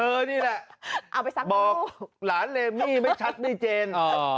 เธอนี่แหละบอกหลานเลมมี่ไม่ชัดด้วยเจน